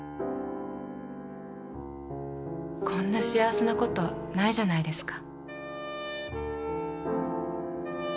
こんな幸せな事ないじゃないですか。